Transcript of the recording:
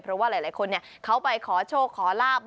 เพราะหลายคนเนี่ยเข้าไปขอโชคขอราบ